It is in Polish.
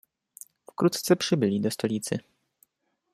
"Wkrótce przybyli do stolicy."